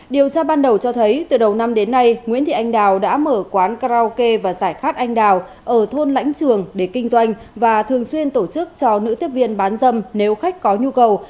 điều tra ban đầu cho thấy từ đầu năm đến nay nguyễn thị anh đào đã mở quán karaoke và giải khát anh đào ở thôn lãnh trường để kinh doanh và thường xuyên tổ chức cho nữ tiếp viên bán dâm nếu khách có nhu cầu